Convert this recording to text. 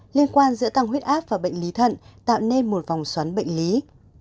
liên quan giữa tăng huyết áp và bệnh lý thận tạo nên một vòng xoắn bệnh lý